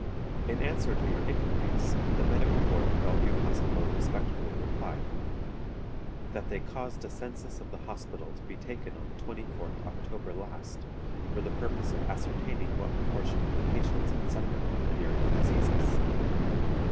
"In answer to your inquiries, the Medical Board of Bellevue Hospital respectfully reply, "That they caused a census of the Hospital to be taken on the 24th October last, for the purpose of ascertaining what proportion of the patients had suffered from venereal diseases.